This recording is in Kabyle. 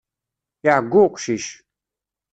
Iɛeyyu uqcic.